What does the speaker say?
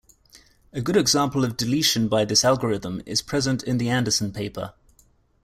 A good example of deletion by this algorithm is present in the Andersson paper.